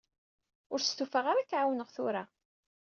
Ur stufaɣ ara ad k-ɛawneɣ tura.